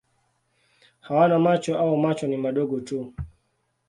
Hawana macho au macho ni madogo tu.